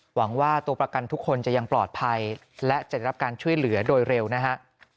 หวังว่าตัวประกันทุกคนจะยังปลอดภัยและจะได้รับการช่วยเหลือโดยเร็วนะฮะ